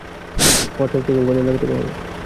আমার শক্তিকেও কাজে লাগাতে হবে।